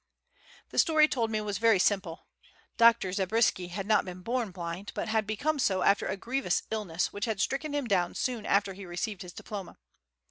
The story told me was very simple. Dr. Zabriskie had not been born blind, but had become so after a grievous illness which had stricken him down soon after he received his diploma.